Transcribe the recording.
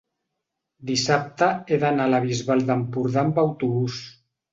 dissabte he d'anar a la Bisbal d'Empordà amb autobús.